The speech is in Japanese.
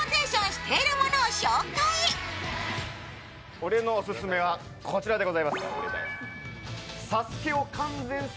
俺のオススメはこちらでございます